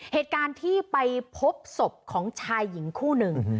เหตุการณ์ที่ไปพบศพของชายหญิงคู่หนึ่ง